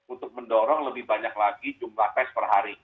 untuk mendorong lebih banyak lagi jumlah tes per hari